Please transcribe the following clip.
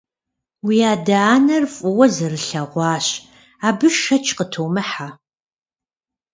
Уи адэ-анэр фӀыуэ зэрылъэгъуащ, абы шэч къытумыхьэ.